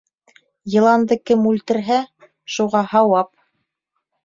Йыланды кем үлтерһә, шуға һауап.